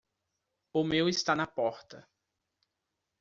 O meu está na porta.